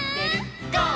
「ゴー！